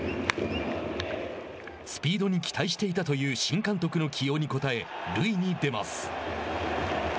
スピードに期待していたという新監督の起用に応え塁に出ます。